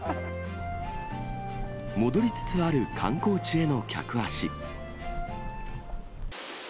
戻りつつある観光地への客足。